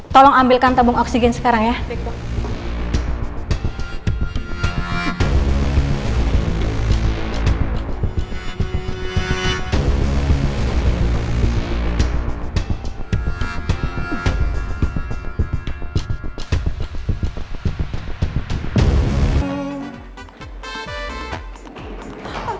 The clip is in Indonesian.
tolong ambilkan tabung oksigen sekarang ya